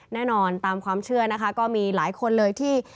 แน่นอนตามความเชื่อนะคะก็มีหลายคนเลยที่